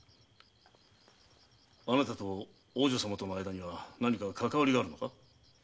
あなたと王女様との間には何かかかわりがあるのか？